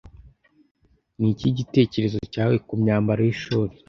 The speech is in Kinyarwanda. Niki gitekerezo cyawe kumyambaro yishuri?